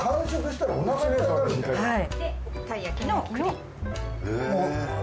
たい焼きの栗。